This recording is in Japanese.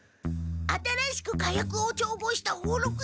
新しく火薬を調合した宝禄火矢？